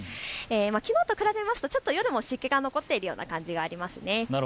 きのうと比べると夜も湿気が残っているような感じがあります。